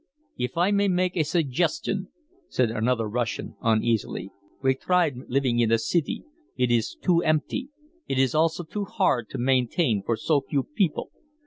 "If I may make a suggestion," said another Russian uneasily. "We tried living in a city. It is too empty. It is also too hard to maintain for so few people.